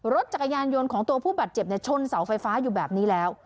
รถจักรยานยนต์ของตัวผู้บาดเจ็บชนเสาไฟฟ้าอยู่แบบนี้แล้ว